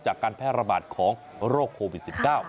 การแพร่ระบาดของโรคโควิด๑๙